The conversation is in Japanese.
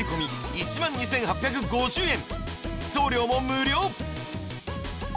１万２８５０円